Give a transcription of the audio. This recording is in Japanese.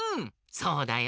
そうだよ。